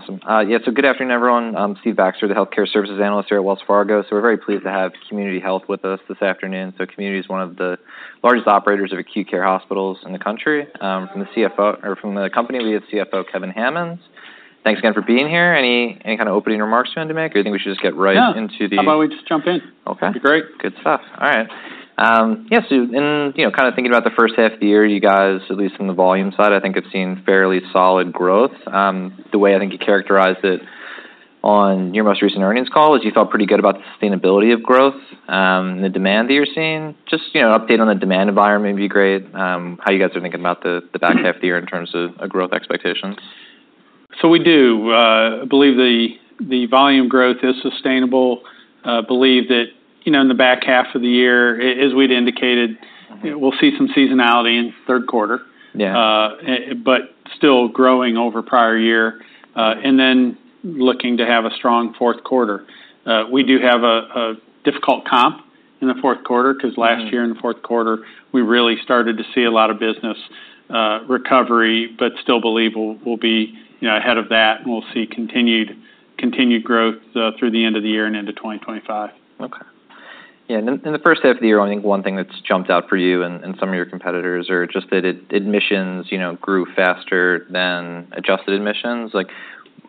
Awesome. Yeah, so good afternoon, everyone. I'm Steve Baxter, the healthcare services analyst here at Wells Fargo. So we're very pleased to have Community Health with us this afternoon. So Community is one of the largest operators of acute care hospitals in the country. From the CFO, or from the company, we have CFO, Kevin Hammons. Thanks again for being here. Any kind of opening remarks you want to make, or do you think we should just get right into the- Yeah. How about we just jump in? Okay. That'd be great. Good stuff. All right. Yeah, so in, you know, kind of thinking about the first half of the year, you guys, at least from the volume side, I think, have seen fairly solid growth. The way I think you characterized it on your most recent earnings call is you felt pretty good about the sustainability of growth, the demand that you're seeing. Just, you know, update on the demand environment would be great, how you guys are thinking about the back half of the year in terms of growth expectations. So we do believe the volume growth is sustainable. Believe that, you know, in the back half of the year, as we'd indicated. We'll see some seasonality in the third quarter. Yeah. But still growing over prior year, and then looking to have a strong fourth quarter. We do have a difficult comp in the fourth quarter, 'cause last year in the fourth quarter, we really started to see a lot of business recovery, but still believe we'll be, you know, ahead of that, and we'll see continued growth through the end of the year and into 2025. Okay. Yeah, in the first half of the year, I think one thing that's jumped out for you and some of your competitors are just that admissions, you know, grew faster than adjusted admissions. Like,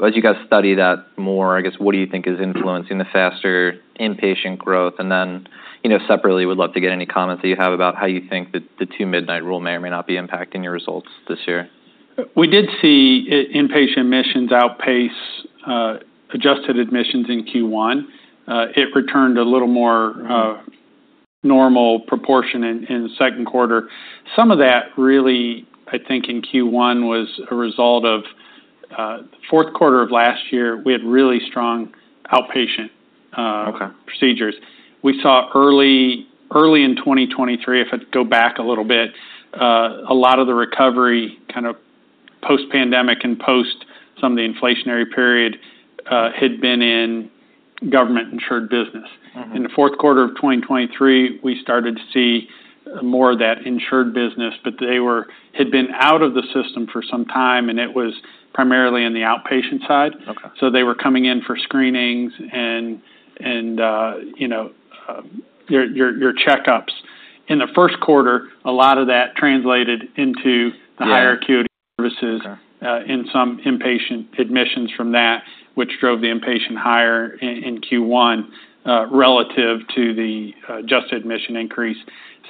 as you guys study that more, I guess, what do you think is influencing the faster inpatient growth? And then, you know, separately, would love to get any comments that you have about how you think that the Two-Midnight Rule may or may not be impacting your results this year. We did see inpatient admissions outpace adjusted admissions in Q1. It returned to a little more normal proportion in the second quarter. Some of that really, I think, in Q1, was a result of fourth quarter of last year, we had really strong outpatient procedures. We saw early in 2023, if I go back a little bit, a lot of the recovery, kind of post-pandemic and post some of the inflationary period, had been in government insured business. In the fourth quarter of 2023, we started to see more of that insured business, but they had been out of the system for some time, and it was primarily on the outpatient side. Okay. So they were coming in for screenings and, you know, your checkups. In the first quarter, a lot of that translated into the higher acuity services and some inpatient admissions from that, which drove the inpatient higher in Q1, relative to the adjusted admissions increase.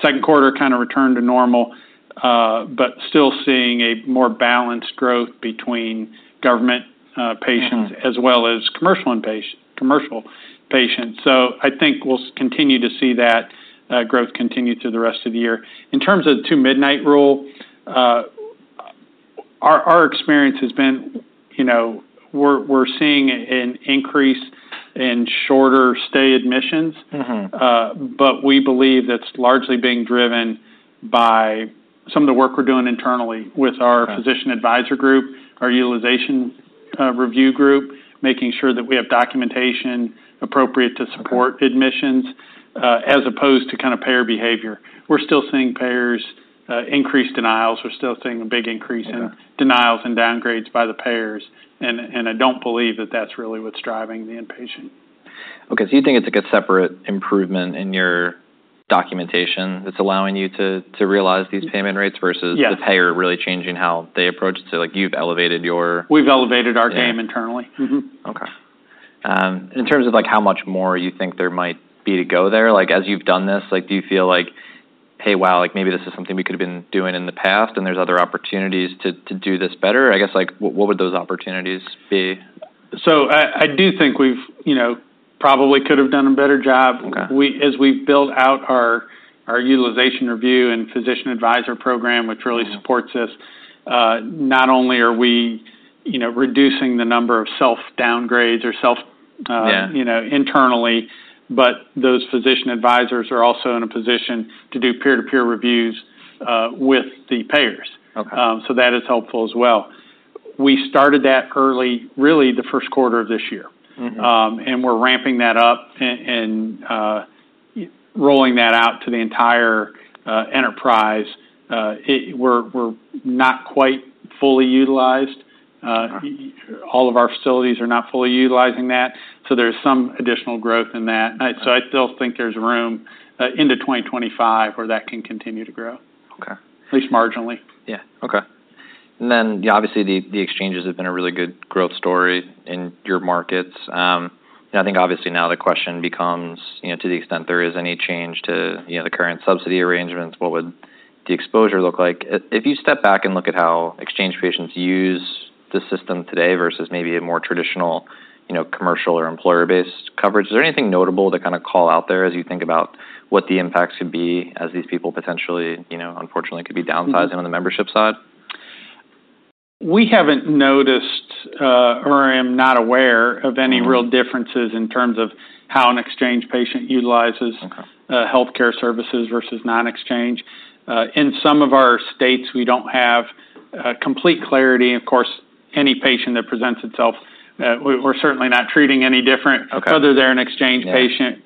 Second quarter kind of returned to normal, but still seeing a more balanced growth between government patients as well as commercial and patient, commercial patients. So I think we'll continue to see that growth continue through the rest of the year. In terms of the Two-Midnight Rule, our experience has been, you know, we're seeing an increase in shorter stay admissions. But we believe that's largely being driven by some of the work we're doing internally with our physician advisor group, our utilization review group, making sure that we have documentation appropriate to support admissions, as opposed to kind of payer behavior. We're still seeing payers, increase denials. We're still seeing a big increase in denials and downgrades by the payers, and I don't believe that that's really what's driving the inpatient. Okay, so you think it's like a separate improvement in your documentation that's allowing you to realize these payment rates versus the payer really changing how they approach it to, like, you've elevated your- We've elevated our game internally. Okay. In terms of, like, how much more you think there might be to go there, like, as you've done this, like, do you feel like: Hey, wow! Like, maybe this is something we could have been doing in the past, and there's other opportunities to do this better? I guess, like, what would those opportunities be? I do think we've, you know, probably could have done a better job. We, as we've built out our utilization review and physician advisor program, which really supports us, not only are we, you know, reducing the number of self downgrades or self- Yeah... You know, internally, but those physician advisors are also in a position to do peer-to-peer reviews with the payers. Okay. So that is helpful as well. We started that early, really the first quarter of this year and we're ramping that up and rolling that out to the entire enterprise. We're not quite fully utilized. All of our facilities are not fully utilizing that, so there's some additional growth in that. Right. So I still think there's room into 2025, where that can continue to grow. Okay. At least marginally. Yeah. Okay. And then, yeah, obviously, the exchanges have been a really good growth story in your markets. And I think obviously now the question becomes, you know, to the extent there is any change to, you know, the current subsidy arrangements, what would the exposure look like? If you step back and look at how exchange patients use the system today versus maybe a more traditional, you know, commercial or employer-based coverage, is there anything notable to kind of call out there as you think about what the impacts could be as these people potentially, you know, unfortunately, could be downsizing on the membership side? We haven't noticed, or I am not aware of any real differences in terms of how an exchange patient utilizes healthcare services versus non-exchange. In some of our states, we don't have complete clarity. Of course, any patient that presents itself, we're certainly not treating any different. Whether they're an Exchange patient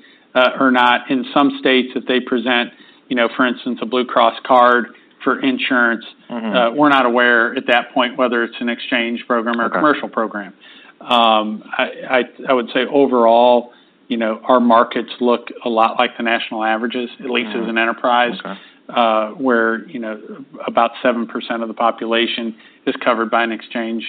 or not in some states that they present, you know, for instance, a Blue Cross card for insurance. We're not aware at that point whether it's an exchange program or a commercial program. I would say overall, you know, our markets look a lot like the national averages, at least as an enterprise where, you know, about 7% of the population is covered by an exchange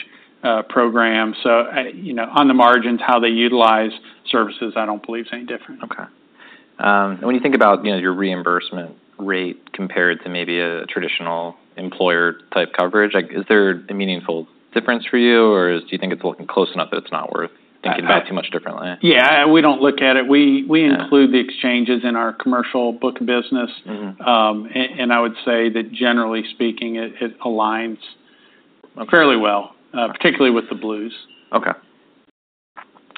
program. So, you know, on the margins, how they utilize services, I don't believe is any different. Okay. When you think about, you know, your reimbursement rate compared to maybe a traditional employer-type coverage, like, is there a meaningful difference for you, or do you think it's looking close enough that it's not worth thinking about too much differently? Yeah, we don't look at it. We, we include the exchanges in our commercial book business. And I would say that generally speaking, it aligns fairly well, particularly with the Blues. Okay.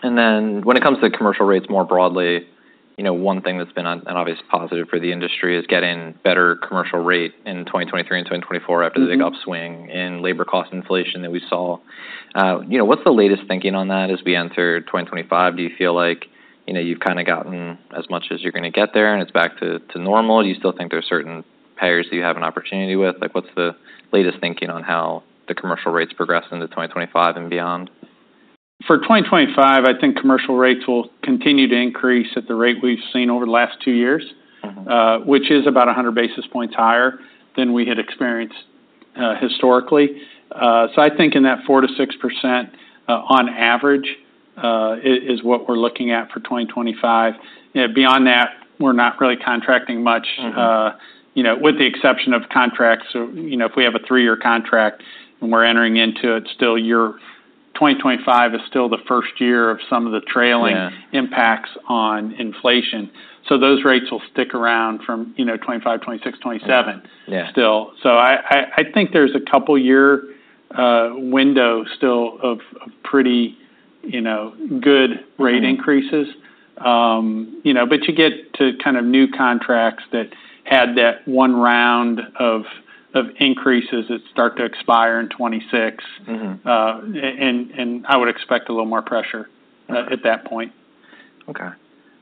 And then when it comes to commercial rates more broadly, you know, one thing that's been an obvious positive for the industry is getting better commercial rate in 2023 and 2024 after the big upswing in labor cost inflation that we saw. You know, what's the latest thinking on that as we enter 2025? Do you feel like, you know, you've kind of gotten as much as you're gonna get there, and it's back to normal? Do you still think there are certain payers that you have an opportunity with? Like, what's the latest thinking on how the commercial rates progress into 2025 and beyond? For 2025, I think commercial rates will continue to increase at the rate we've seen over the last two years. Which is about 100 basis points higher than we had experienced, historically. So I think in that 4%-6%, on average, is what we're looking at for 2025. You know, beyond that, we're not really contracting much, you know, with the exception of contracts. You know, if we have a three-year contract, and we're entering into it, still year. 2025 is still the first year of some of the trailing impacts on inflation. So those rates will stick around from, you know, 2025, 2026, 2027 still. So I think there's a couple year window still of pretty, you know, good rate increases. You know, but you get to kind of new contracts that had that one round of increases that start to expire in 2026.I would expect a little more pressure at that point. Okay.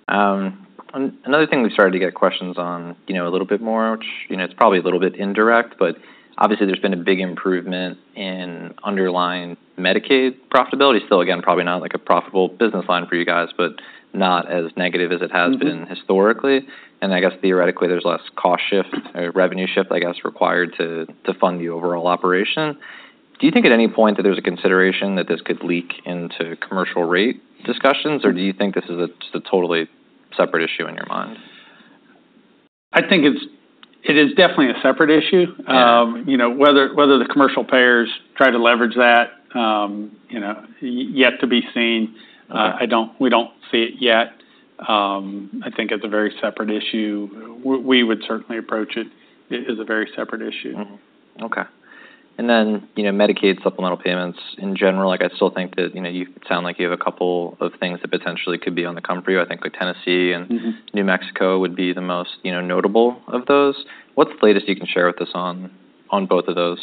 Another thing we've started to get questions on, you know, a little bit more, which, you know, it's probably a little bit indirect, but obviously, there's been a big improvement in underlying Medicaid profitability. Still, again, probably not like a profitable business line for you guys, but not as negative as it has been. historically, and I guess theoretically, there's less cost shift or revenue shift, I guess, required to fund the overall operation. Do you think at any point that there's a consideration that this could leak into commercial rate discussions, or do you think this is a just a totally separate issue in your mind? I think it is definitely a separate issue. You know, whether the commercial payers try to leverage that, you know, yet to be seen. We don't see it yet. I think it's a very separate issue. We would certainly approach it as a very separate issue. Mm-hmm. Okay. And then, you know, Medicaid supplemental payments in general, like I still think that, you know, you sound like you have a couple of things that potentially could be on the come for you. I think like Tennessee and New Mexico would be the most, you know, notable of those. What's the latest you can share with us on both of those?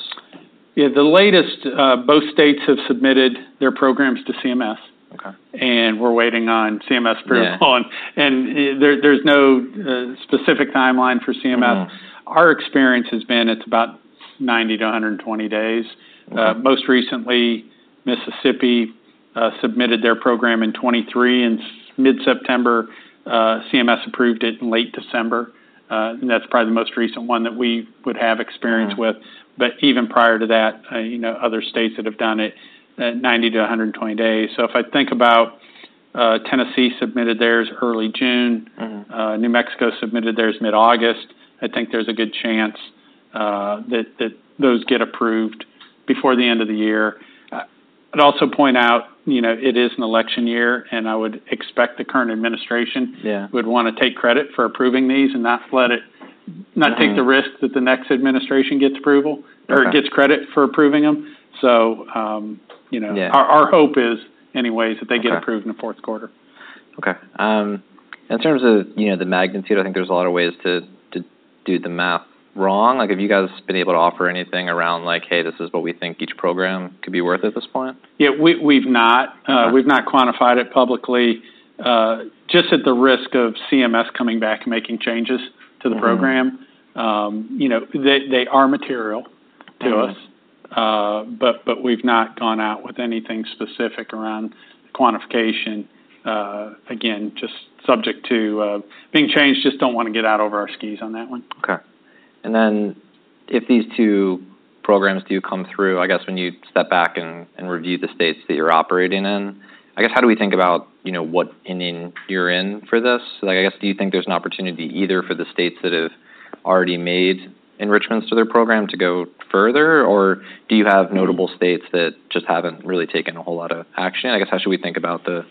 Yeah. The latest, both states have submitted their programs to CMS. And we're waiting on CMS approval and there, there's no specific timeline for CMS. Our experience has been it's about 90-120 days. Most recently, Mississippi submitted their program in 2023, in mid-September. CMS approved it in late December, and that's probably the most recent one that we would have experience with. But even prior to that, you know, other states that have done it, 90-120 days. So if I think about, Tennessee submitted theirs early June. New Mexico submitted theirs mid-August. I think there's a good chance that those get approved before the end of the year. I'd also point out, you know, it is an election year, and I would expect the current administration would want to take credit for approving these and not let it not take the risk that the next administration gets approval or gets credit for approving them. So, you know our hope is, anyways, that they get approved in the fourth quarter. Okay. In terms of, you know, the magnitude, I think there's a lot of ways to do the math wrong. Like, have you guys been able to offer anything around like, "Hey, this is what we think each program could be worth at this point? Yeah, we've not. We've not quantified it publicly, just at the risk of CMS coming back and making changes to the program. You know, they are material to us. But we've not gone out with anything specific around quantification. Again, just subject to being changed, just don't wanna get out over our skis on that one. Okay. And then, if these two programs do come through, I guess when you step back and review the states that you're operating in, I guess, how do we think about, you know, what inning you're in for this? Like, I guess, do you think there's an opportunity either for the states that have already made enrichments to their program to go further, or do you have notable states that just haven't really taken a whole lot of action? I guess, how should we think about the,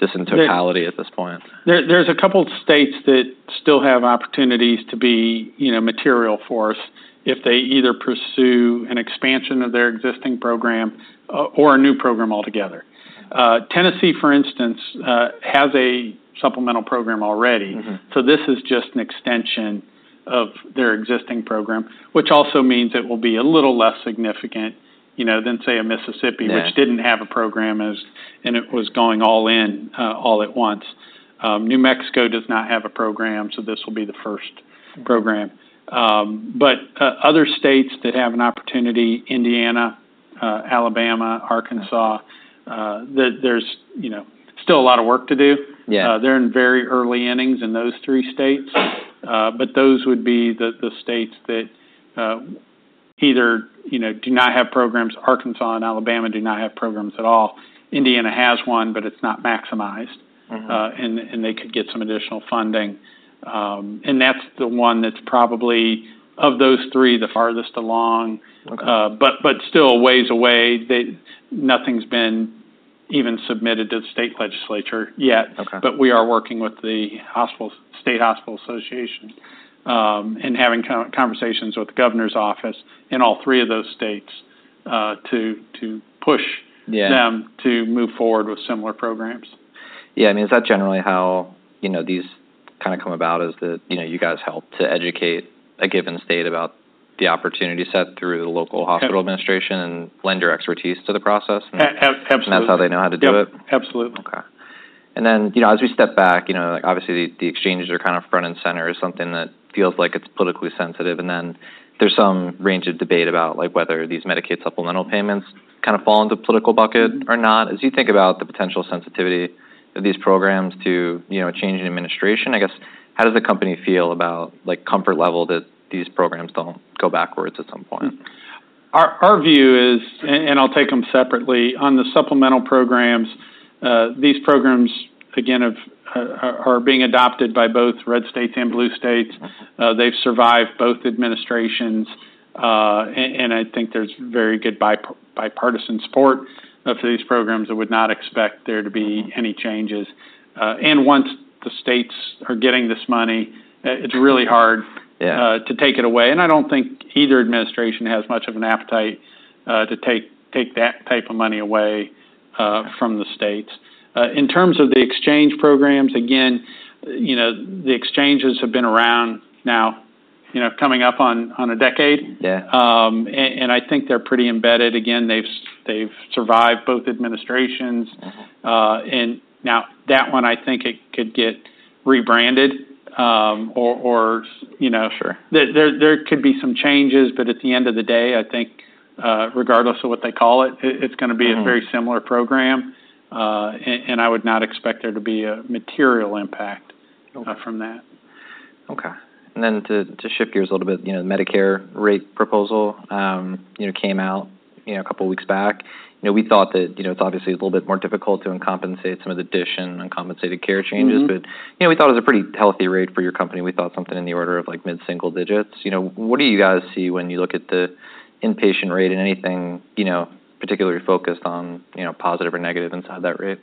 this in totality at this point? There, there's a couple of states that still have opportunities to be, you know, material for us, if they either pursue an expansion of their existing program, or a new program altogether. Tennessee, for instance, has a supplemental program already. So this is just an extension of their existing program, which also means it will be a little less significant, you know, than, say, a Mississippi- which didn't have a program as, and it was going all in, all at once. New Mexico does not have a program, so this will be the first program, but other states that have an opportunity, Indiana, Alabama, Arkansas, there, there's, you know, still a lot of work to do. They're in very early innings in those three states. But those would be the states that either, you know, do not have programs. Arkansas and Alabama do not have programs at all. Indiana has one, but it's not maximized. And they could get some additional funding. And that's the one that's probably, of those three, the farthest along. But still a ways away. Nothing's been even submitted to the state legislature yet. But we are working with the state hospital association and having conversations with the governor's office in all three of those states to push-them to move forward with similar programs. Yeah, I mean, is that generally how, you know, these kind of come about? Is that, you know, you guys help to educate a given state about the opportunity set through the local hospital-administration and lend your expertise to the process? Absolutely. That's how they know how to do it? Yep, absolutely. Okay. And then, you know, as we step back, you know, obviously, the exchanges are kind of front and center as something that feels like it's politically sensitive, and then there's some range of debate about, like, whether these Medicaid supplemental payments kind of fall into the political bucket or not. As you think about the potential sensitivity of these programs to, you know, a change in administration, I guess, how does the company feel about, like, comfort level that these programs don't go backwards at some point? Our view is, and I'll take them separately. On the supplemental programs, these programs, again, are being adopted by both red states and blue states. They've survived both administrations, and I think there's very good bipartisan support for these programs. I would not expect there to be any changes, and once the states are getting this money, it's really hard to take it away, and I don't think either administration has much of an appetite to take that type of money away from the states. In terms of the exchange programs, again, you know, the exchanges have been around now, you know, coming up on a decade. And I think they're pretty embedded. Again, they've survived both administrations. And now, that one, I think it could get rebranded, or, you know, there could be some changes, but at the end of the day, I think, regardless of what they call it, it's gonna be-a very similar program, and I would not expect there to be a material impact from that. Okay. And then to shift gears a little bit, you know, the Medicare rate proposal, you know, came out, you know, a couple of weeks back. You know, we thought that, you know, it's obviously a little bit more difficult to compensate some of the DSH and uncompensated care changes. But, you know, we thought it was a pretty healthy rate for your company. We thought something in the order of, like, mid-single digits. You know, what do you guys see when you look at the inpatient rate? And anything, you know, particularly focused on, you know, positive or negative inside that rate?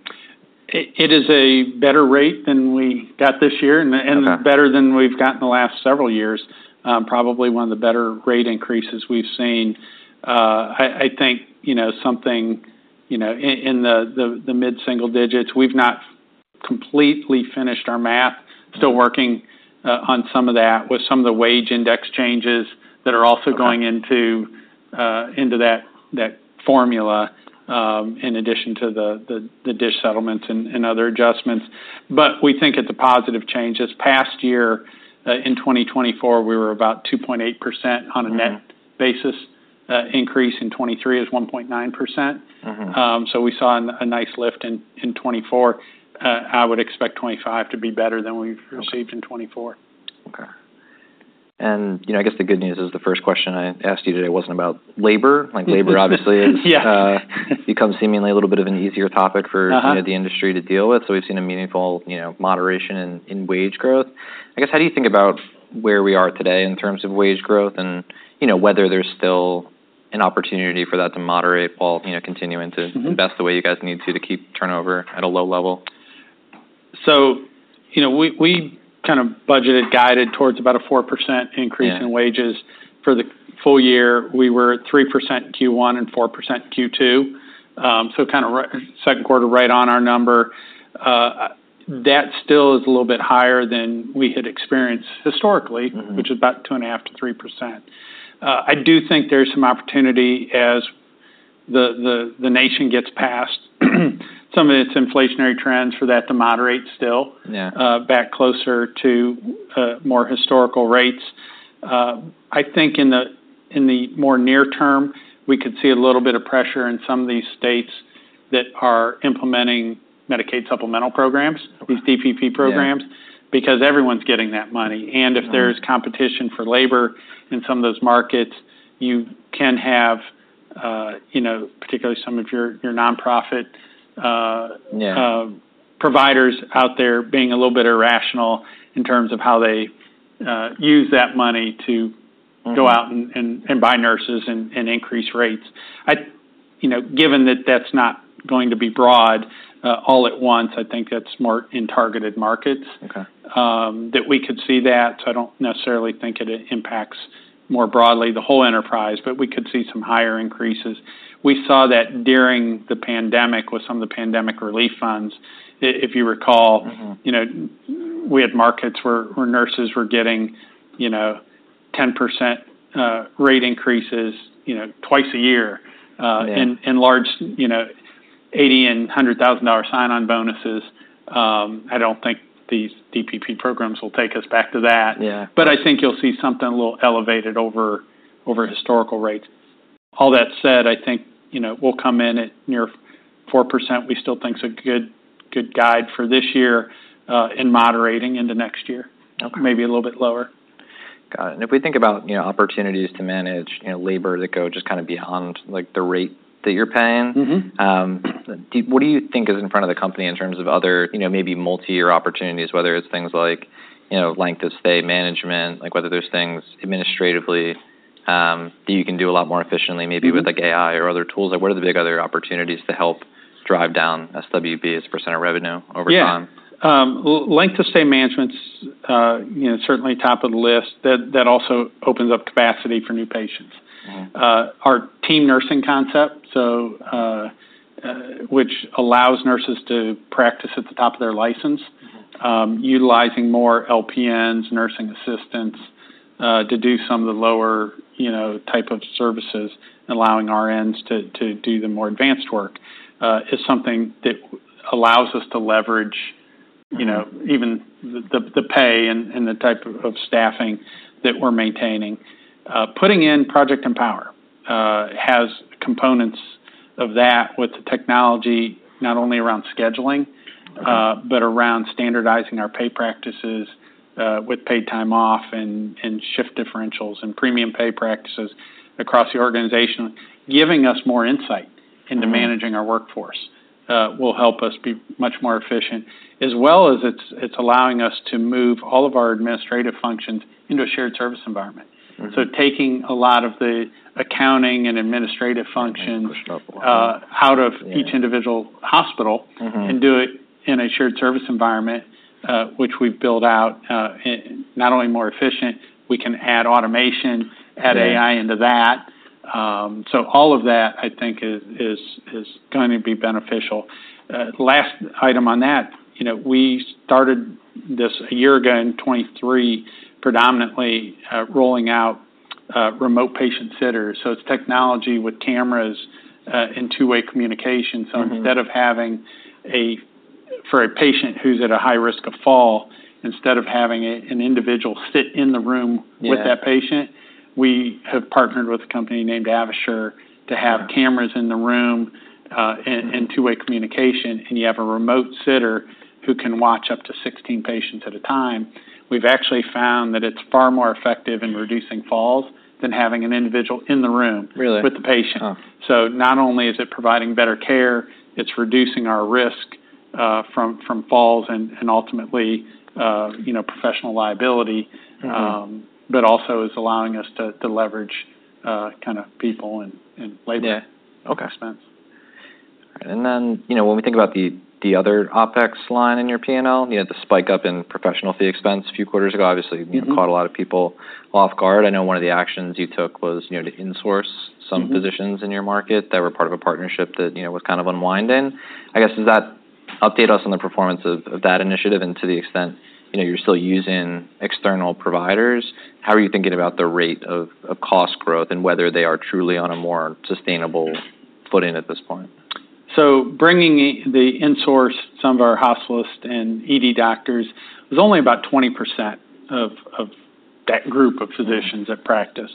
It is a better rate than we got this year. and better than we've got in the last several years. Probably one of the better rate increases we've seen. I think you know something you know in the mid-single digits. We've not completely finished our math. Still working on some of that, with some of the wage index changes that are also going into that formula, in addition to the DSH settlements and other adjustments. But we think it's a positive change. This past year, in 2024, we were about 2.8%. on a net basis. Increase in 2023 is 1.9%. We saw a nice lift in 2024. I would expect 2025 to be better than we've received in 2024. Okay. And, you know, I guess the good news is the first question I asked you today wasn't about labor. Like, labor obviously become seemingly a little bit of an easier topic for you know, the industry to deal with. So we've seen a meaningful, you know, moderation in wage growth. I guess, how do you think about where we are today in terms of wage growth and, you know, whether there's still an opportunity for that to moderate while, you know, continuing to invest the way you guys need to, to keep turnover at a low level? So, you know, we kind of budgeted, guided towards about a 4% increase Yeah in wages. For the full year, we were at 3% Q1 and 4% Q2. So kind of second quarter, right on our number. That still is a little bit higher than we had experienced historically which is about 2.5%-3%. I do think there's some opportunity as the nation gets past some of its inflationary trends for that to moderate still back closer to more historical rates. I think in the more near term, we could see a little bit of pressure in some of these states that are implementing Medicaid supplemental programs these DPP programs because everyone's getting that money. If there's competition for labor in some of those markets, you can have, you know, particularly some of your nonprofit providers out there being a little bit irrational in terms of how they use that money to go out and buy nurses and increase rates. You know, given that that's not going to be broad, all at once, I think that's more in targeted markets that we could see that, so I don't necessarily think it impacts more broadly the whole enterprise, but we could see some higher increases. We saw that during the pandemic with some of the pandemic relief funds. If you recall, You know, we had markets where nurses were getting, you know, 10% rate increases, you know, twice a year. and large, you know, $80,000-$100,000 sign-on bonuses. I don't think these DPP programs will take us back to that. Yeah. But I think you'll see something a little elevated over historical rates. All that said, I think, you know, we'll come in at near 4%. We still think it's a good guide for this year, and moderating into next year. Maybe a little bit lower. Got it. And if we think about, you know, opportunities to manage, you know, labor that go just kind of beyond, like, the rate that you're paying. Mm-hmm Uhmm, what do you think is in front of the company in terms of other, you know, maybe multi-year opportunities, whether it's things like, you know, length of stay management, like, whether there's things administratively, that you can do a lot more efficiently, maybe with like, AI or other tools? Like, what are the big other opportunities to help drive down SWB as a % of revenue over time? Yeah. Length of stay management, you know, certainly top of the list. That, that also opens up capacity for new patients. Our team nursing concept, which allows nurses to practice at the top of their license utilizing more LPNs, nursing assistants, to do some of the lower, you know, type of services, allowing RNs to do the more advanced work, is something that allows us to leverage, you know even the pay and the type of staffing that we're maintaining. Putting in Project Empower has components of that with the technology, not only around scheduling but around standardizing our pay practices, with paid time off and shift differentials and premium pay practices across the organization, giving us more insight into managing our workforce, will help us be much more efficient, as well as it's allowing us to move all of our administrative functions into a shared service environment. Taking a lot of the accounting and administrative functions Pushing up a line.... out of each individual hospital and do it in a shared service environment, which we've built out. Not only more efficient, we can add automation, add AI into that. So all of that, I think is going to be beneficial. Last item on that, you know, we started this a year ago in 2023, predominantly, rolling out remote patient sitters. So it's technology with cameras and two-way communication. So for a patient who's at a high risk of fall, instead of having an individual sit in the room with that patient, we have partnered with a company named AvaSure to have cameras in the room, and two-way communication, and you have a remote sitter who can watch up to sixteen patients at a time. We've actually found that it's far more effective in reducing falls than having an individual in the room. Really with the patient. So not only is it providing better care, it's reducing our risk from falls and ultimately, you know, professional liability. but also is allowing us to leverage kind of people and labor- Yeah okay, expense. And then, you know, when we think about the other OpEx line in your P&L, you had the spike up in professional fee expense a few quarters ago. Obviously, you caught a lot of people off guard. I know one of the actions you took was, you know, to insource some positions in your market that were part of a partnership that, you know, was kind of unwinding. I guess, does that update us on the performance of that initiative? And to the extent, you know, you're still using external providers, how are you thinking about the rate of cost growth, and whether they are truly on a more sustainable footing at this point? So bringing the insource, some of our hospitalist and ED doctors, was only about 20% of that group of physicians at practice.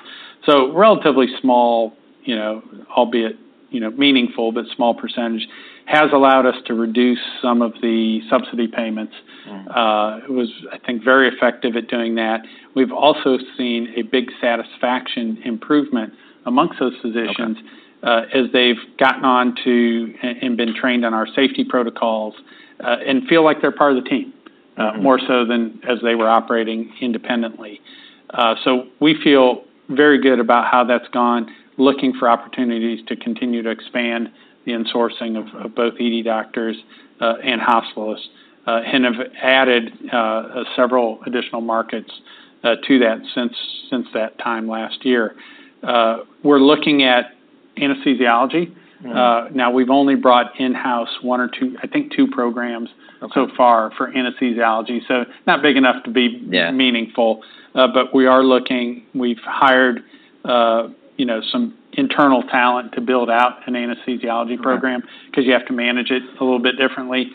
So relatively small, you know, albeit, you know, meaningful, but small percentage, has allowed us to reduce some of the subsidy payments. It was, I think, very effective at doing that. We've also seen a big satisfaction improvement amongst those physicians as they've gotten on to and been trained on our safety protocols, and feel like they're part of the team. more so than as they were operating independently. So we feel very good about how that's gone. Looking for opportunities to continue to expand the insourcing of both ED doctors and hospitalists, and have added several additional markets to that since that time last year. We're looking at anesthesiology. Now, we've only brought in-house one or two, I think, two programs. so far for anesthesiology, so not big enough to bemeaningful. But we are looking. We've hired, you know, some internal talent to build out an anesthesiology program cause you have to manage it a little bit differently,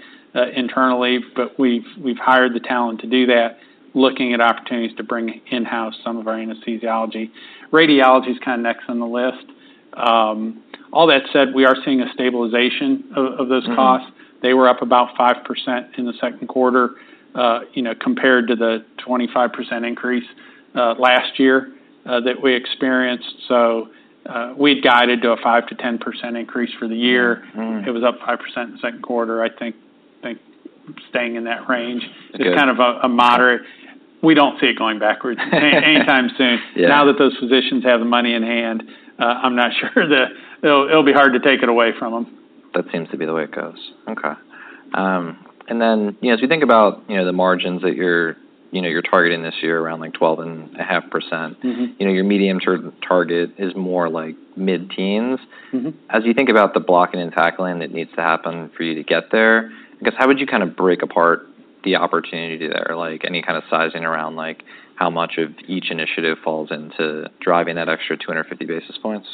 internally, but we've hired the talent to do that, looking at opportunities to bring in-house some of our anesthesiology. Radiology is kind of next on the list. All that said, we are seeing a stabilization of those costs. They were up about 5% in the second quarter, you know, compared to the 25% increase last year that we experienced. So, we've guided to a 5%-10% increase for the year. It was up 5% in the second quarter. I think staying in that range, it's kind of a moderate. We don't see it going backwards anytime soon. Now that those physicians have the money in hand, I'm not sure that it'll be hard to take it away from them. That seems to be the way it goes. Okay, and then, you know, as you think about, you know, the margins that you're, you know, you're targeting this year around, like, 12.5% You know, your medium-term target is more like mid-teens. As you think about the blocking and tackling that needs to happen for you to get there, I guess, how would you kind of break apart the opportunity there? Like, any kind of sizing around, like, how much of each initiative falls into driving that extra 250 basis points?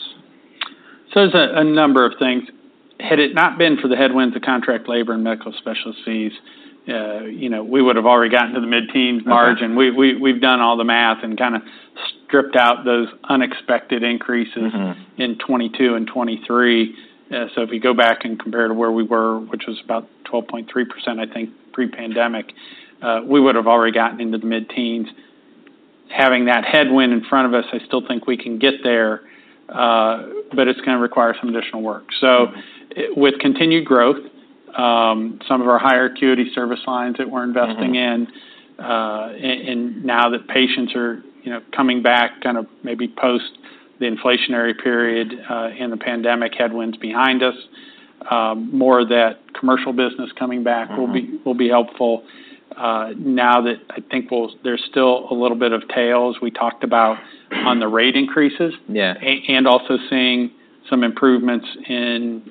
So there's a number of things. Had it not been for the headwinds of contract labor and medical specialties, you know, we would've already gotten to the mid-teens margin. We've done all the math and kind of stripped out those unexpected increases In 2022 and 2023. So if you go back and compare to where we were, which was about 12.3%, I think, pre-pandemic, we would've already gotten into the mid-teens. Having that headwind in front of us, I still think we can get there, but it's gonna require some additional work. So with continued growth, some of our higher acuity service lines that we're investing in and now that patients are, you know, coming back kind of maybe post the inflationary period, and the pandemic headwinds behind us, more of that commercial business coming back will be helpful. Now that I think we'll, there's still a little bit of tails we talked about on the rate increases and also seeing some improvements in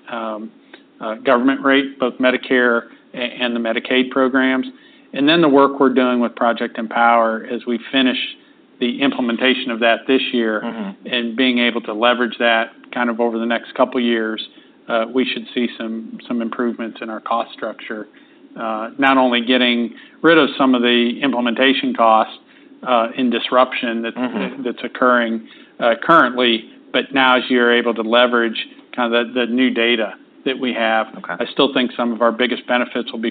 government rate, both Medicare and the Medicaid programs, and then the work we're doing with Project Empower as we finish the implementation of that this year and being able to leverage that kind of over the next couple years, we should see some improvements in our cost structure. Not only getting rid of some of the implementation costs, in disruption that, that's occurring currently, but now as you're able to leverage kind of the new data that we have. I still think some of our biggest benefits will be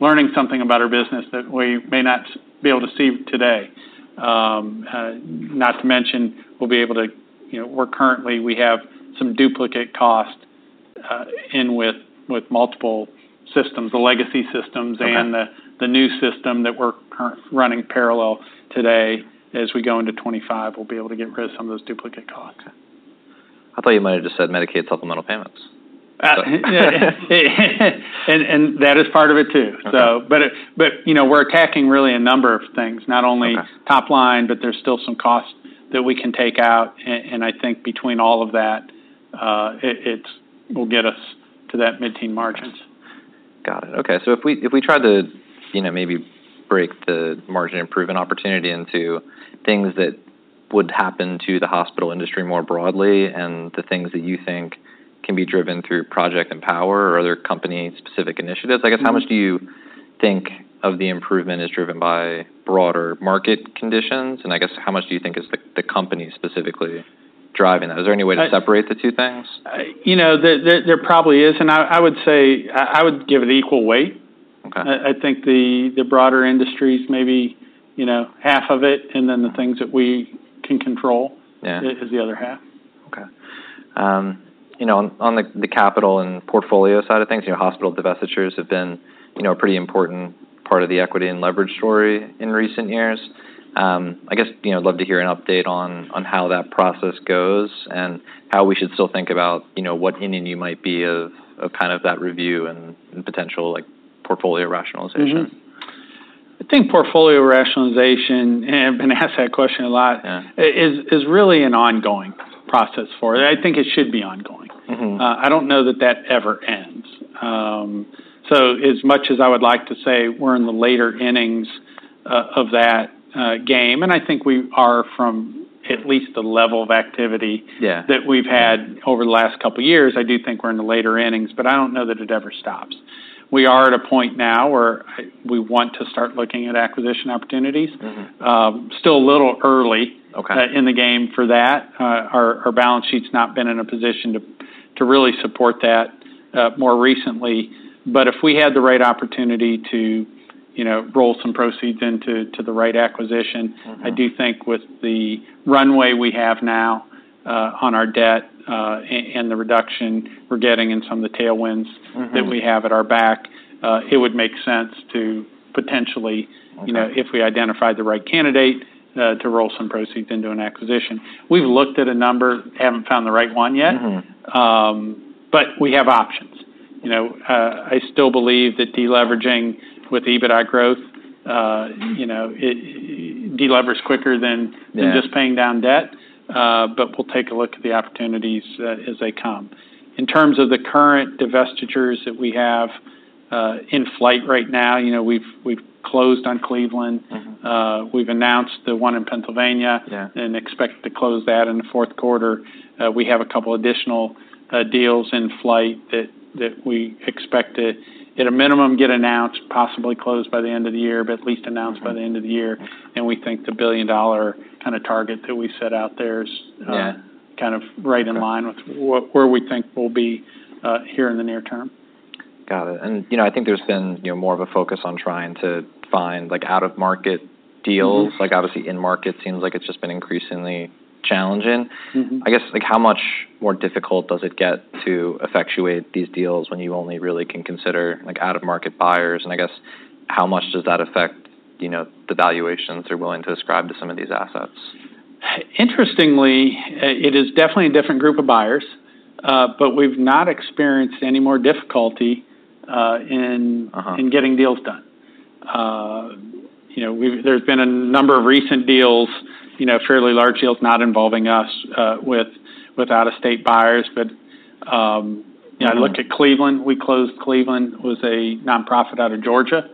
learning something about our business that we may not be able to see today. Not to mention, we'll be able to. You know, we're currently, we have some duplicate costs in with multiple systems, the legacy systems and the new system that we're currently running parallel today. As we go into 2025, we'll be able to get rid of some of those duplicate costs. I thought you might have just said Medicaid Supplemental Payments. And that is part of it, too. You know, we're attacking really a number of things, not only top line, but there's still some costs that we can take out. And I think between all of that, it will get us to that mid-teen margins. Got it. Okay. So if we try to, you know, maybe break the margin improvement opportunity into things that would happen to the hospital industry more broadly, and the things that you think can be driven through Project Empower or other company-specific initiatives I guess, how much do you think of the improvement is driven by broader market conditions? And I guess, how much do you think is the company specifically driving that? Is there any way to separate the two things? You know, there probably is, and I would say I would give it equal weight. I think the broader industry is maybe, you know, half of it, and then the things that we can control is, is the other half. Okay. You know, on the capital and portfolio side of things, you know, hospital divestitures have been, you know, a pretty important part of the equity and leverage story in recent years. I guess, you know, I'd love to hear an update on how that process goes, and how we should still think about, you know, what inning you might be of kind of that review and potential, like, portfolio rationalization. Hmm. I think portfolio rationalization, and I've been asked that question a lot is really an ongoing process for it, and I think it should be ongoing. I don't know that that ever ends. So as much as I would like to say we're in the later innings of that game, and I think we are from at least the level of activity that we've had over the last couple years, I do think we're in the later innings, but I don't know that it ever stops. We are at a point now where we want to start looking at acquisition opportunities. Still a little early in the game for that. Our balance sheet's not been in a position to really support that more recently. But if we had the right opportunity to, you know, roll some proceeds into the right acquisition- I do think with the runway we have now, on our debt, and the reduction we're getting in some of the tailwinds that we have at our back, it would make sense to potentially-you know, if we identified the right candidate, to roll some proceeds into an acquisition. We've looked at a number, haven't found the right one yet. But we have options. You know, I still believe that deleveraging with EBITDA growth, you know, it delevers quicker than, than just paying down debt. But we'll take a look at the opportunities as they come. In terms of the current divestitures that we have in flight right now, you know, we've closed on Cleveland. We've announced the one in Pennsylvania and expect to close that in the fourth quarter. We have a couple additional deals in flight that we expect to, at a minimum, get announced, possibly closed by the end of the year, but at least announced by the end of the year, and we think the billion-dollar kind of target that we set out there is kind of right in line with where we think we'll be here in the near term. Got it. And, you know, I think there's been, you know, more of a focus on trying to find, like, out-of-market deals. Like, obviously, in-market seems like it's just been increasingly challenging. I guess, like, how much more difficult does it get to effectuate these deals when you only really can consider, like, out-of-market buyers? And I guess, how much does that affect, you know, the valuations you're willing to ascribe to some of these assets? Interestingly, it is definitely a different group of buyers, but we've not experienced any more difficulty, in, in getting deals done. You know, there's been a number of recent deals, you know, fairly large deals, not involving us, with out-of-state buyers. But, you know, I look at Cleveland, we closed Cleveland, which is a nonprofit out of Georgia.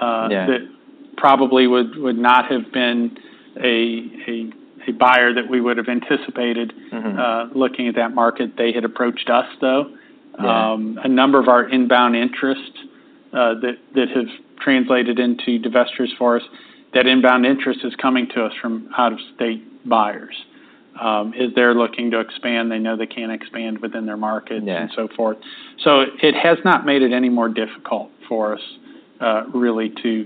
that probably would not have been a buyer that we would've anticipated looking at that market. They had approached us, though. A number of our inbound interest that have translated into divestitures for us, that inbound interest is coming to us from out-of-state buyers. As they're looking to expand, they know they can't expand within their market and so forth. So it has not made it any more difficult for us, really to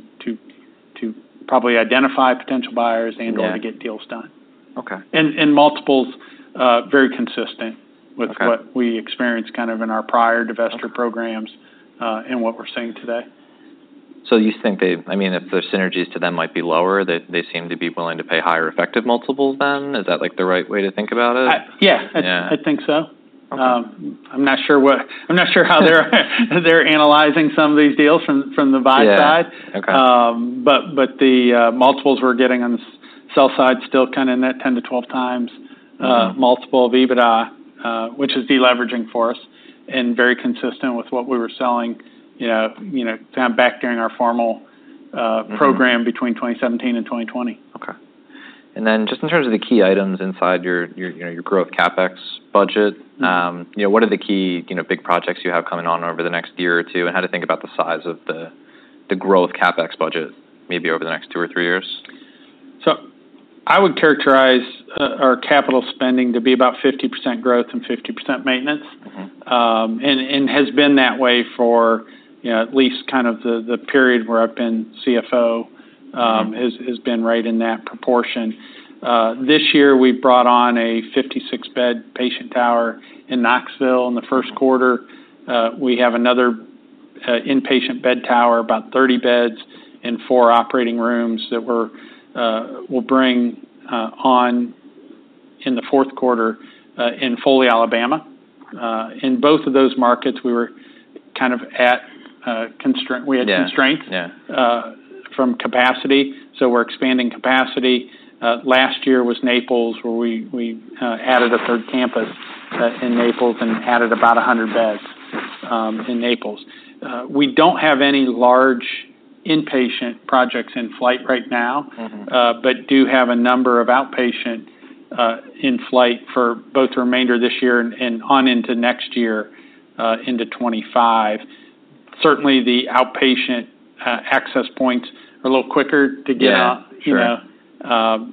probably identify potential buyers and, or to get deals done. And multiples, very consistent with what we experienced kind of in our prior divestiture programs and what we're seeing today. So you think they, I mean if the synergies to them might be lower, they seem to be willing to pay higher effective multiples then? Is that, like, the right way to think about it? Yeah. Yeah. I think so. I'm not sure how they're analyzing some of these deals from the buy side. Yeah. Okay. But the multiples we're getting on the sell side still kind of in that 10-12 times multiple of EBITDA, which is deleveraging for us, and very consistent with what we were selling, you know, kind of back during our formal program between 2017 and 2020. Okay. And then just in terms of the key items inside your, you know, your growth CapEx budget you know, what are the key, you know, big projects you have coming on over the next year or two? And how to think about the size of the growth CapEx budget, maybe over the next two or three years? So I would characterize our capital spending to be about 50% growth and 50% maintenance. Has been that way for, you know, at least kind of the period where I've been CFO, has been right in that proportion. This year, we brought on a 56-bed patient tower in Knoxville in the first quarter. We have another inpatient bed tower, about 30 beds and four operating rooms that we'll bring on in the fourth quarter in Foley, Alabama. In both of those markets, we were kind of at constraint we had constraints from capacity, so we're expanding capacity. Last year was Naples, where we added a third campus in Naples and added about 100 beds in Naples. We don't have any large inpatient projects in flight right now. But do have a number of outpatient in-flight for both the remainder of this year and on into next year, into 2025. Certainly, the outpatient access points are a little quicker to get up. You know,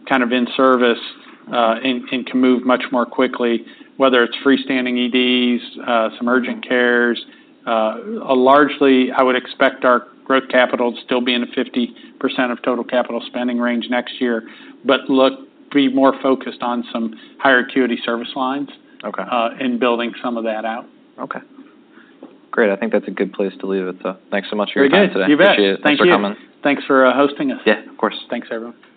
kind of in service, and can move much more quickly, whether it's freestanding EDs, some urgent cares. Largely, I would expect our growth capital to still be in the 50% of total capital spending range next year, but look, be more focused on some higher acuity service lines and building some of that out. Okay. Great. I think that's a good place to leave it, so thanks so much for your time today. Very good. You bet. Appreciate it. Thank you. Thanks for coming. Thanks for hosting us. Yeah, of course. Thanks, everyone.